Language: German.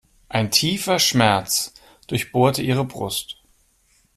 Ein tiefer Schmerz durchbohrte ihre Brust.